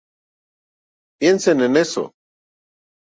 Piensen en eso.